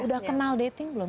sudah kenal dating belum